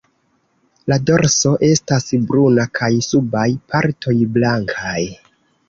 La dorso estas bruna kaj subaj partoj blankaj.